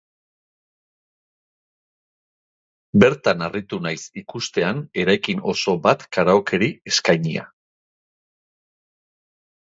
Bertan harritu naiz ikustean eraikin oso bat karaokeri eskainia.